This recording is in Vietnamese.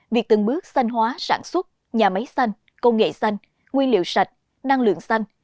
việc từng bước xanh hóa sản xuất nhà máy xanh công nghệ xanh nguyên liệu sạch năng lượng xanh